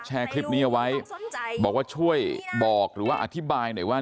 แชร์คลิปนี้เอาไว้บอกว่าช่วยบอกหรือว่าอธิบายหน่อยว่า